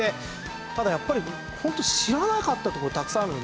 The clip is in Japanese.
ただやっぱりホント知らなかったとこたくさんあるので。